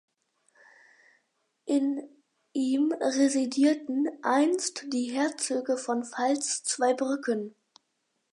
In ihm residierten einst die Herzöge von Pfalz-Zweibrücken.